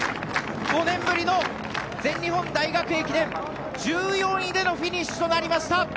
５年ぶりの全日本大学駅伝１４位でのフィニッシュとなりました。